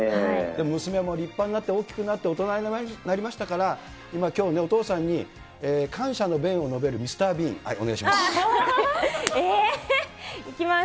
娘も立派になって、大きくなって、大人になりましたから、今、きょうね、お父さんに感謝の弁を述べるミスター・ビーン、お願いします。